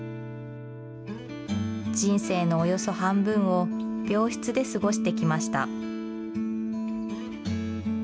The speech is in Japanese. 人生のおよそ半分を病室で過ごしてきました。